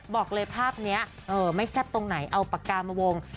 บอกเลยภาพนี้ไม่แซ่บตรงไหนเอาปากกามาวง